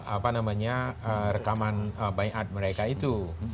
apa namanya rekaman bayi'at mereka itu